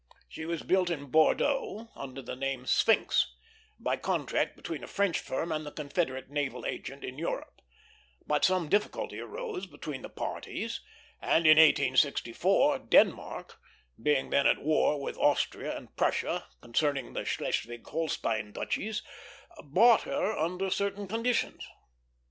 She was built in Bordeaux, under the name Sphinx, by contract between a French firm and the Confederate naval agent in Europe; but some difficulty arose between the parties, and in 1864 Denmark, being then at war with Austria and Prussia concerning the Schleswig Holstein duchies, bought her under certain conditions.